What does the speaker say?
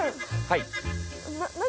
はい。